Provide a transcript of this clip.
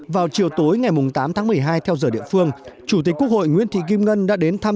vào chiều tối ngày tám tháng một mươi hai theo giờ địa phương chủ tịch quốc hội nguyễn thị kim ngân đã đến thăm